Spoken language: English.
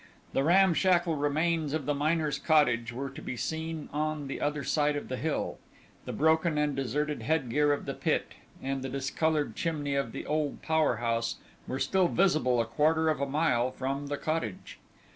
The ramshackle remains of the miners' cottage were to be seen on the other side of the hill; the broken and deserted headgear of the pit, and the discoloured chimney of the old power house were still visible a quarter of a mile from the cottage.